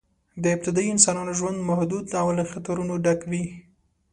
د ابتدایي انسانانو ژوند محدود او له خطرونو ډک و.